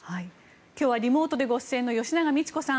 今日はリモートでご出演の吉永みち子さん